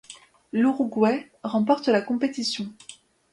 L'Uruguay remporte la compétition.